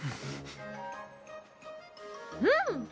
うん！